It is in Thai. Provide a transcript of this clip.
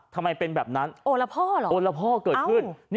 ทำไมเป็นแบบนั้นโอบราภ่อเกิดขึ้น